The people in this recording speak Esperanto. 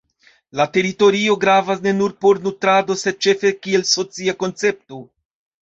La teritorio gravas ne nur por nutrado sed ĉefe kiel socia koncepto.